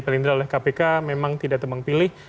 paling tidak oleh kpk memang tidak teman pilih